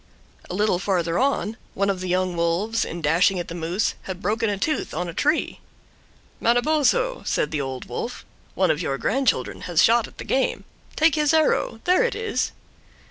A little farther on, one of the young wolves, in dashing at the moose, had broken a tooth on a tree. "Manabozho," said the Old Wolf, "one of your grandchildren has shot at the game. Take his arrow; there it is."